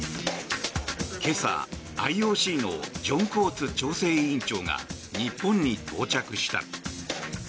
今朝、ＩＯＣのジョン・コーツ調整委員長が日本に到着した。